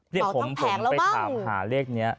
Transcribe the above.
เนี่ยผมไปถามหาเลขนี้